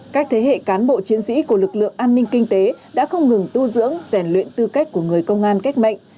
các thế hệ cán bộ chiến sĩ của lực lượng an ninh kinh tế đã không ngừng tu dưỡng rèn luyện tư cách của người công an cách mệnh